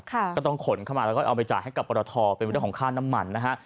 ก็ต้องขนเข้ามาแล้วก็เอาไปจ่ายให้กับปรทเป็นเรื่องของค่าน้ำมันนะฮะ